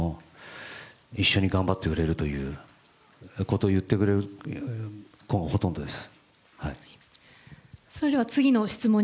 一緒に頑張ってくれるということを言ってくれる子がほとんどです。